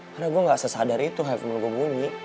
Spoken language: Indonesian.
karena gue gak sesadar itu hal hal gue bunyi